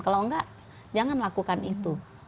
kalau enggak jangan lakukan itu